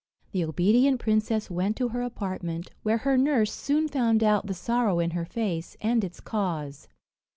The obedient princess went to her apartment, where her nurse soon found out the sorrow in her face, and its cause.